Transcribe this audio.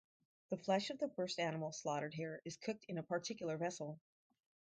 The flesh of the first animal slaughtered here is cooked in a particular vessel.